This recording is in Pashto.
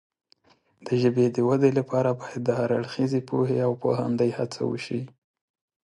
د ژبې د وده لپاره باید د هر اړخیزې پوهې او پوهاندۍ هڅه وشي.